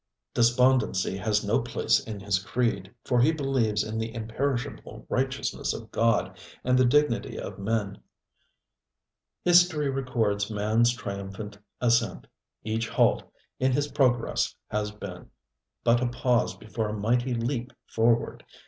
Despondency has no place in his creed, for he believes in the imperishable righteousness of God and the dignity of man. History records manŌĆÖs triumphant ascent. Each halt in his progress has been but a pause before a mighty leap forward.